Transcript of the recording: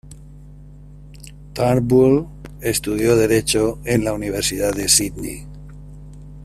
Turnbull estudió derecho en la Universidad de Sídney.